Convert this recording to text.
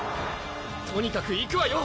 とにかくいくわよ！